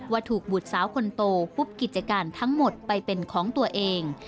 ถูกบุตรสาวคนโตปุ๊บกิจการทั้งหมดไปเป็นของตัวเอง